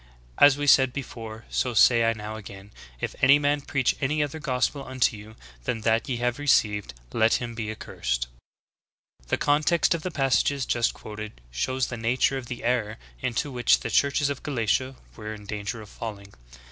As we said before, so say I now again, If any man preach any other gospel unto you than that ye have received, let him be accursed. "'^ 5. The context of the passages just quoted shows the nature of the error into which "the churches of Galatia" were in danger of falling.